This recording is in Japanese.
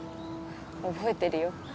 覚えてるよ。